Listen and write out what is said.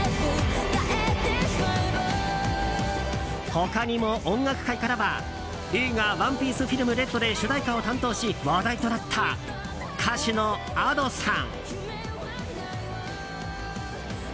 他にも、音楽界からは映画「ＯＮＥＰＩＥＣＥＦＩＬＭＲＥＤ」で主題歌を担当し話題となった歌手のＡｄｏさん。